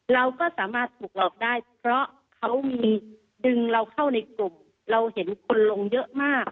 เราก็สามารถถูกหลอกได้เพราะเขามีดึงเราเข้าในกลุ่มเราเห็นคนลงเยอะมาก